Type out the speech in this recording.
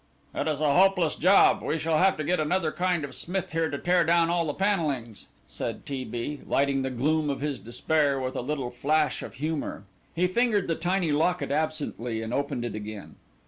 "It is a hopeless job; we shall have to get another kind of smith here to tear down all the panellings," said T. B., lighting the gloom of his despair with a little flash of humour. He fingered the tiny locket absently and opened it again.